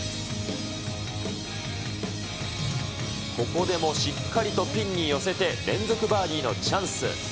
ここでもしっかりとピンに寄せて、連続バーディーのチャンス。